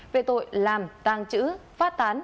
về tội làm tàng chữ phát tán